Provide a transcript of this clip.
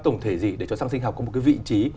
đồng thể gì để cho xăng sinh học có một cái vị trí